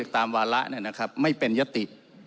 ตามวาระเนี่ยนะครับไม่เป็นยติ